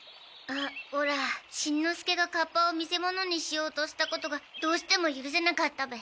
オラしんのすけがカッパを見せ物にしようとしたことがどうしても許せなかったべ。